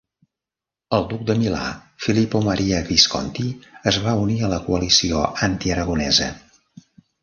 El duc de Milà, Filippo Maria Visconti, es va unir a la coalició antiaragonesa.